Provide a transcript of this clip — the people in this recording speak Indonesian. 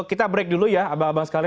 kita break dulu ya abang abang sekalian